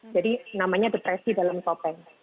jadi namanya depresi dalam topeng